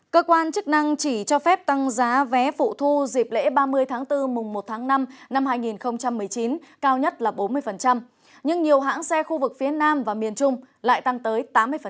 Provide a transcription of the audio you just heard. cơ quan chức năng chỉ cho phép tăng giá vé phụ thu dịp lễ ba mươi tháng bốn mùng một tháng năm năm hai nghìn một mươi chín cao nhất là bốn mươi nhưng nhiều hãng xe khu vực phía nam và miền trung lại tăng tới tám mươi